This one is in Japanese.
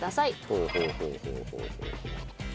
ほうほうほうほうほうほう。